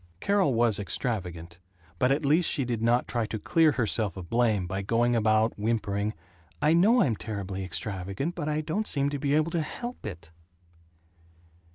II Carol was extravagant, but at least she did not try to clear herself of blame by going about whimpering, "I know I'm terribly extravagant but I don't seem to be able to help it."